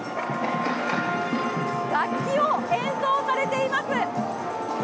楽器を演奏されています。